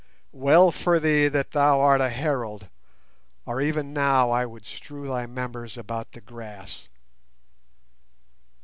Well for thee that thou art a herald, or even now would I strew thy members about the grass."